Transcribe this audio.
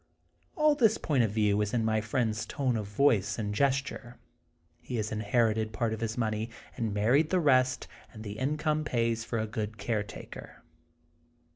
All this point of view is in my friend's tone of voice and gesture. He has inherited part of his money, and married the rest, and the income pays for a good caretaker.